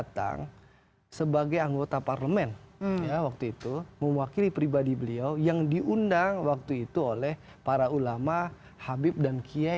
terima kasih pak